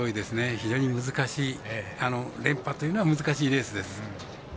非常に難しい連覇というのは難しいレースです。